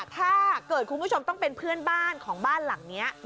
ถ้าเกิดคุณผู้ชมต้องเป็นเพื่อนบ้านของบ้านหลังนี้